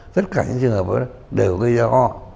tất cả những trường hợp đều gây ra ho